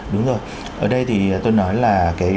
đúng rồi ở đây thì tôi nói là